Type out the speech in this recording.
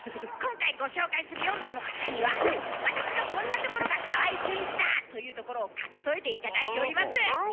今回ご紹介する４名の方には「私のこんなところが川合俊一だ！」というところを書き添えて頂いております。